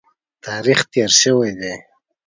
تاریخ تېر شوی دی.